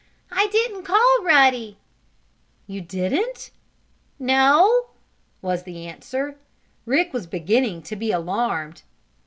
I didn't call Ruddy!" "You didn't?" "No!" was the answer. Rick was beginning to be alarmed.